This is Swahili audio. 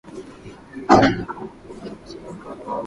Kilo moja ya mchele